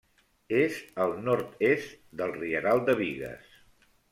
És al nord-est del Rieral de Bigues.